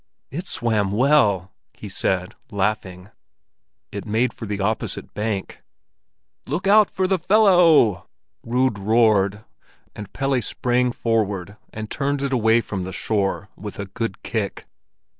"It swam well," he said, laughing. It made for the opposite bank. "Look out for the fellow!" Rud roared, and Pelle sprang forward and turned it away from the shore with a good kick.